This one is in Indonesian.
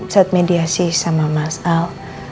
saat mediasi sama mas al